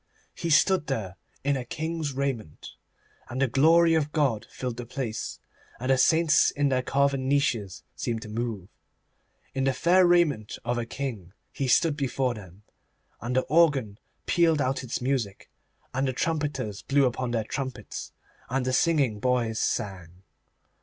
He stood there in a king's raiment, and the Glory of God filled the place, and the saints in their carven niches seemed to move. In the fair raiment of a king he stood before them, and the organ pealed out its music, and the trumpeters blew upon their trumpets, and the singing boys sang.